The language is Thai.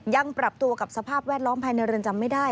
ยังปรับตัวกับสภาพแวดล้อมภายในเรือนจำไม่ได้